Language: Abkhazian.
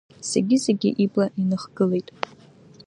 Зегьы-зегьы ибла иныхгылеит.